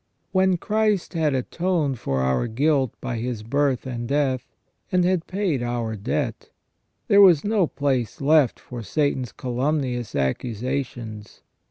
When Christ had atoned for our guilt by His birth and death, and had paid our debt, there was no place left for Satan's calum nious accusations.